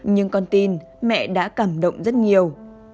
nhưng con tin mẹ đã cảm động rất nhiều